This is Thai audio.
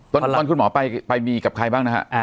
ตอนคุณหมอไปมีกับใครบ้างนะฮะ